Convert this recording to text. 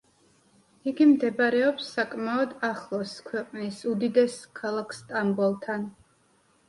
იგი მდებარეობს საკმაოდ ახლოს ქვეყნის უდიდეს ქალაქ სტამბოლთან.